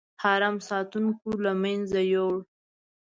حرم ساتونکو له منځه یووړ.